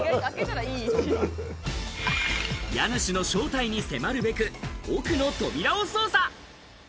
家主の正体に迫るべく、奥の扉を捜査。